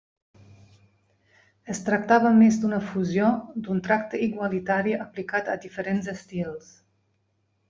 Es tractava més d'una fusió, d'un tracte igualitari aplicat a diferents estils.